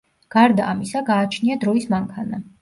გარდა ამისა, გააჩნია დროის მანქანა.